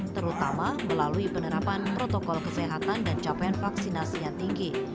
terutama melalui penerapan protokol kesehatan dan capaian vaksinasi yang tinggi